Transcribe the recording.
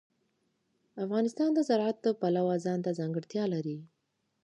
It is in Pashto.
افغانستان د زراعت د پلوه ځانته ځانګړتیا لري.